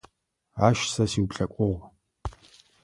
Ащ сэ сиуплъэкӏугъ.